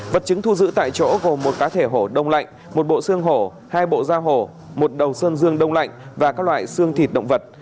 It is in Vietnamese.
vật chứng thu giữ tại chỗ gồm một cá thể hổ đông lạnh một bộ xương hổ hai bộ dao hổ một đầu sơn dương đông lạnh và các loại xương thịt động vật